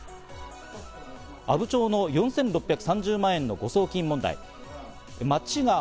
阿武町の４６３０万円の誤送金問題。